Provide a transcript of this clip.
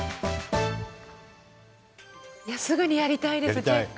すぐにやりたいですチェック。